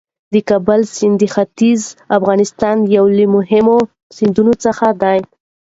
د کابل سیند د ختیځ افغانستان یو له مهمو سیندونو څخه دی.